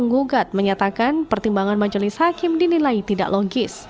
menggugat menyatakan pertimbangan majelis hakim dinilai tidak logis